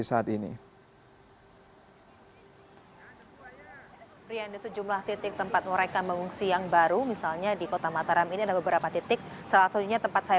bagaimana kondisi warga yang memilih untuk mengungsi